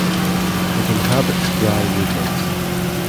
It inhabits dry woodlands.